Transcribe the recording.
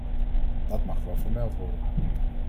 Dat mag wel vermeld worden.